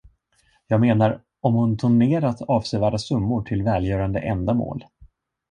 Jag menar, om hon donerat avsevärda summor till välgörande ändamål.